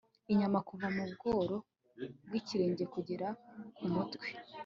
inyama kuva mu bworo bw'ikirenge kugera ku mutwe